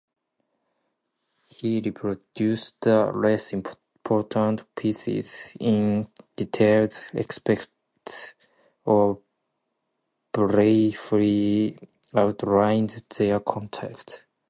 He reproduced the less important pieces in detailed excerpts or briefly outlined their content.